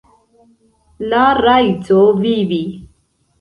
La rajto vivi.